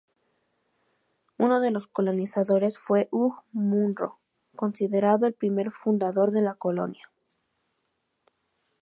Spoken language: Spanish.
Uno de los colonizadores fue Hugh Munro, considerado el "primer fundador de la colonia".